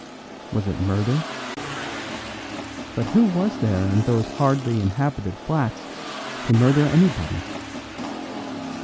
Was it murder? But who was there in those hardly inhabited flats to murder anybody?